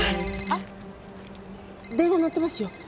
あっ電話鳴ってますよ。